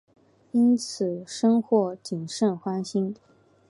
因此深获景胜欢心。